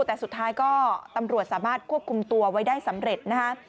แต่สุดท้ายก็ตำรวจสามารถควบคุมตัวไว้ได้สำเร็จนะคะ